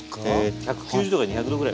１９０℃２００℃ぐらい。